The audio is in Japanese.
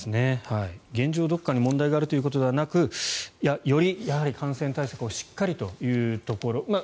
現状、どこかに問題があるということではなくより感染対策をしっかりというところ。